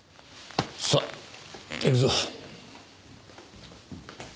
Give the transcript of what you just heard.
さあ行くぞ。